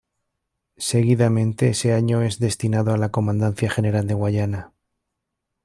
Seguidamente ese año, es destinado a la Comandancia General de Guayana.